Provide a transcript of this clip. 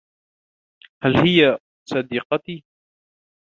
هل هي سديقتي ؟